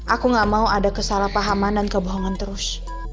aku gak mau ada kesalahpahaman dan kebohongan terus